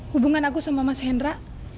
hubungan aku sama mas hendra